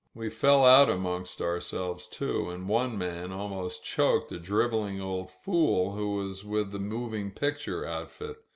We fell out among ourselves, too, and one man almost choked a driveling old fool who was with the moving picture outfit.